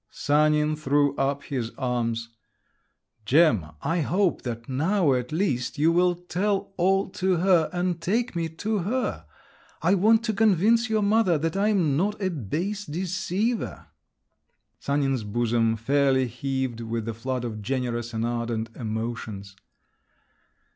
Sanin threw up his arms. "Gemma, I hope that now, at least, you will tell all to her and take me to her…. I want to convince your mother that I am not a base deceiver!" Sanin's bosom fairly heaved with the flood of generous and ardent emotions.